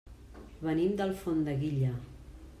Venim d'Alfondeguilla.